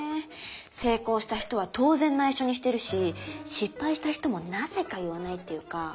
成功した人は当然ないしょにしてるし失敗した人もなぜか言わないっていうか。